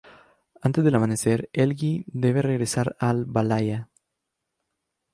Antes del amanecer, Helgi debe regresar al Valhalla.